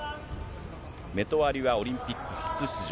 メトワリはオリンピック初出場。